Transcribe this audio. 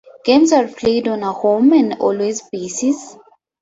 Games are played on a home and away basis.